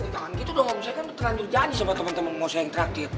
tangan kita udah ngomong saya kan terlanjur janji sama temen temen mau saya yang teraktif